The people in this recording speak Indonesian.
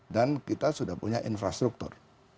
dan kita sudah punya infrastruktur